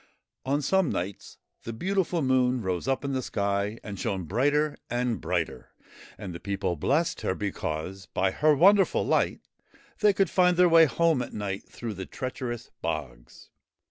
On some nights the beautiful Moon rose up in the sky and shone brighter and brighter, and the people blessed her because by her wonderful light they could find their way home at night through the treacherous bogs.